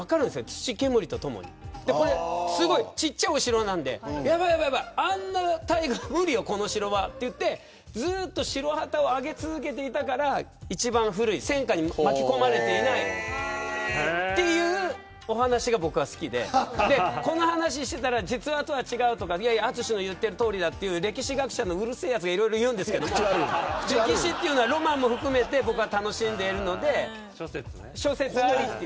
土煙とともにちっちゃいお城なんでやばい、やばい、あんな大軍無理よ、この城はと言ってずっと白旗を上げ続けていたから一番古い戦火に巻き込まれていないというお話が僕は好きでこの話をしていたら実話とは違うとかいや淳の言ってるとおりだっていう歴史学者のうるさい奴がいろいろ言うんですけど歴史というのはロマンも含めて僕は楽しんでるので諸説ありっていう。